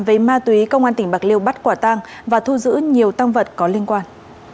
với ma túy công an tỉnh bạc liêu bắt quả tang và thu giữ nhiều tăng vật có liên quan